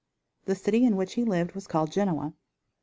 The city in which he lived was called Genoa.